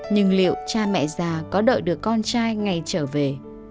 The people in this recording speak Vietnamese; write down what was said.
nhưng liệu cha mẹ già có đợi được con trai ngày trở về